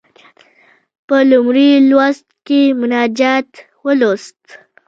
په لومړي لوست کې مناجات ولوست.